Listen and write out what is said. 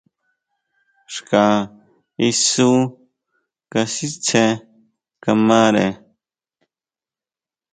Xka isú kasitsé kamare.